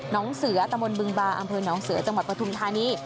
น้องเสือตะมนต์บึงบาอำเภอน้องเสือจังหวัดปฐุมธานี